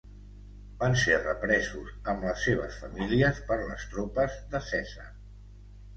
Van ser represos amb les seves famílies per les tropes de Cèsar.